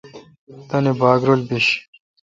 تان باگ رل بیش۔